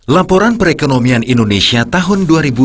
laporan perekonomian indonesia tahun dua ribu dua puluh